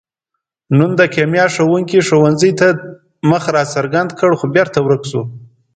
نن د کیمیا ښوونګي ښوونځي ته مخ را څرګند کړ، خو بېرته ورک شو.